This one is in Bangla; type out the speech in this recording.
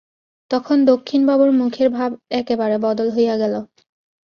তখন দক্ষিণবাবুর মুখের ভাব একেবারে বদল হইয়া গেল।